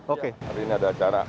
oke hari ini ada acara